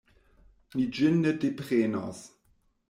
Mi ĝin ne deprenos.